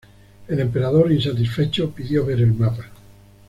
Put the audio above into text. El emperador, insatisfecho, pidió ver el mapa.